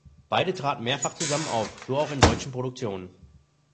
Beide traten mehrfach zusammen auf, so auch in deutschen Produktionen.